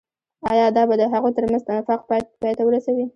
آيا دا به د هغوي تر منځ نفاق پاي ته ورسوي.